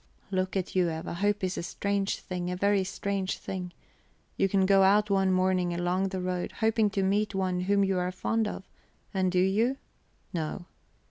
"Look you, Eva, hope is a strange thing, a very strange thing. You can go out one morning along the road, hoping to meet one whom you are fond of. And do you? No.